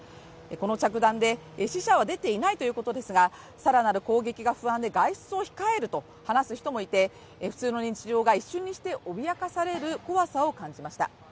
この着弾で死者は出ていないということですが更なる攻撃が不安で外出を控えると話す人もいて、普通の日常が一瞬にして脅かされる怖さを感じました。